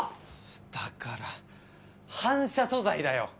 だから反射素材だよ！